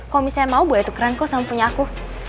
kalo misalnya mau boleh tukeran kos sama punya aku